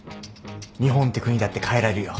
日本って国だって変えられるよ。